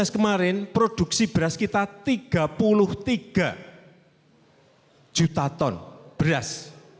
dua belas kemarin produksi beras kita tiga puluh tiga juta ton beras